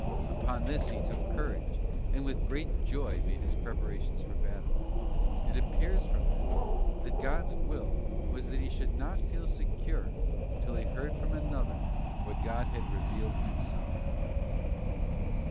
Upon this he took courage, and with great joy made his preparations for battle. It appears from this, that God's will was that he should not feel secure till he heard from another, what God had revealed Himself.